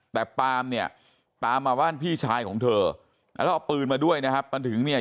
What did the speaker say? แต่ปามาว่าดพี่ชายของเธอเอาปืนมาด้วยนะถึงเนี่ย